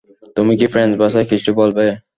তুমি কি ফ্রেঞ্চ ভাষায় কিছু বললে?